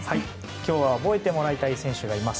今日は覚えてもらいたい選手がいます。